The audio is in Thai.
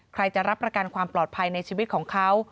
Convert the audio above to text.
ใครจะรับประกันความปลอดภัยในชีวิตของเขา